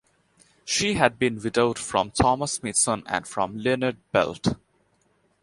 She had been widowed from Thomas Smithson and from Leonard Belt.